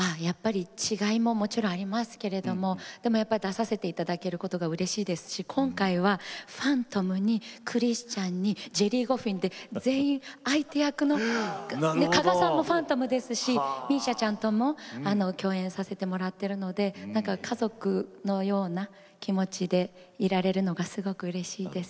違いはもちろんありますがでも出させていただけることがうれしいですし、今回はファントムにクリスチャンにジェリー・ゴフィン全員相手役の鹿賀さんもファントムですし美依紗ちゃんとも共演させてもらっているので家族のような気持ちでいられるのがすごくうれしいです。